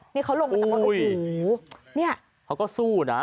นี่เขาลงกันจากว่าโอ้โฮนี่เขาก็สู้นะ